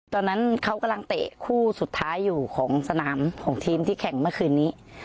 ตอนนั้นเขากำลังเตะคู่สุดท้ายอยู่ของสนามของทีมที่แข่งเมื่อคืนนี้